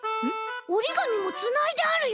おりがみもつないであるよ。